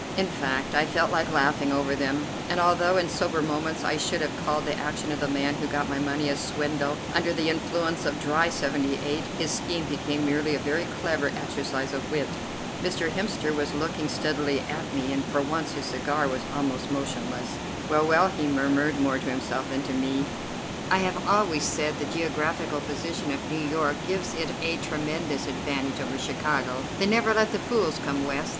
In fact I felt like laughing over them, and although in sober moments I should have called the action of the man who got my money a swindle, under the influence of dry '78 his scheme became merely a very clever exercise of wit. Mr. Hemster was looking steadily at me, and for once his cigar was almost motionless. "Well, well," he murmured, more to himself than to me, "I have always said the geographical position of New York gives it a tremendous advantage over Chicago. They never let the fools come West.